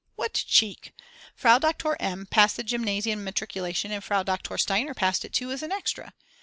What cheek, Frau Doktor M. passed the Gymnasium matriculation and Frau Doktor Steiner passed it too as an extra.